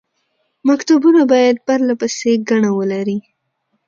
مکتوبونه باید پرله پسې ګڼه ولري.